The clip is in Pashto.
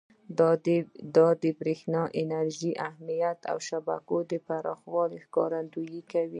دا د برېښنا انرژۍ اهمیت او د شبکو پراخوالي ښکارندویي کوي.